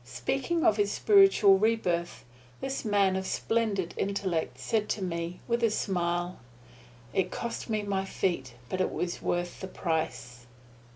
Speaking of his spiritual rebirth, this man of splendid intellect said to me, with a smile, "It cost me my feet, but it was worth the price."